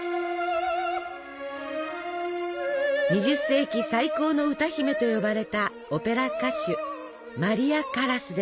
２０世紀最高の歌姫と呼ばれたオペラ歌手